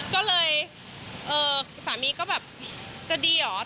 ก็เลยสามีก็แบบจะดีเหรอ